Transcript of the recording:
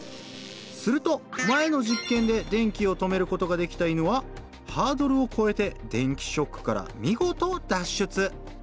すると前の実験で電気を止めることができた犬はハードルをこえて電気ショックからみごと脱出！